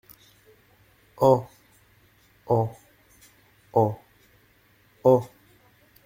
En … en … en … en …